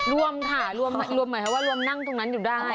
รวมค่ะรวมหมายความว่ารวมนั่งตรงนั้นอยู่ได้